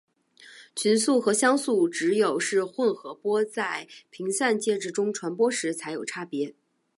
群速和相速只有是混合波在频散介质中传播时才有差别。